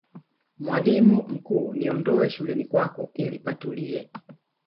mwalimu mkuu niondoe shuleni kwako ili patulie